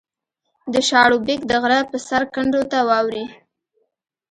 د شاړوبېک د غره په سر کنډو ته واوړې